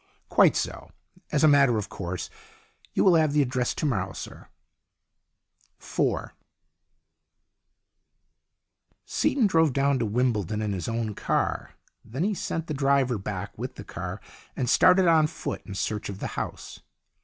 "Quite so. As a matter of course. You will have the address to morrow, sir." IV SEATON drove down to Wimbledon in his own car. Then he sent the driver back with the car and started on foot in search of the house.